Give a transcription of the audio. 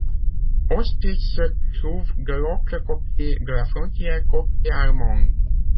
Ostritz se trouve de l'autre côté de la frontière, côté allemand.